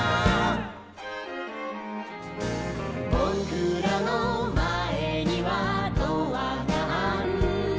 「ぼくらのまえにはドアがある」